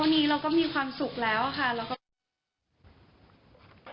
วันนี้เราก็มีความสุขแล้วค่ะ